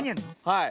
はい。